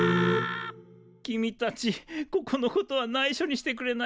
君たちここのことはないしょにしてくれないか？